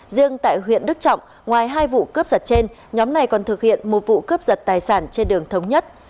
riêng tại huyện đức trọng ngoài hai vụ cướp giật trên nhóm này còn thực hiện một vụ cướp giật tài sản trên đường thống nhất